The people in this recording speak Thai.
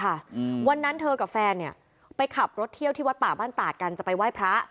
อืมวันนั้นเธอกับแฟนเนี้ยไปขับรถเที่ยวที่วัดป่าบ้านตาดกันจะไปไหว้พระ